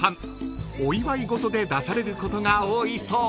［お祝い事で出されることが多いそう］